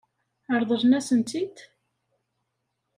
Ṛeḍlen-asen-tt-id?